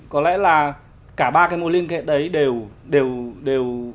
có lẽ là cả ba cái mô hình kết đấy đều